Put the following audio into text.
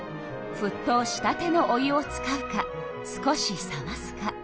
ふっとうしたてのお湯を使うか少し冷ますか。